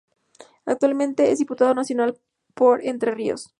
Actualmente es Diputado Nacional por Entre Ríos.